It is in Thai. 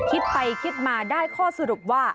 คิดไปคิดมาได้ข้อสรุปว่า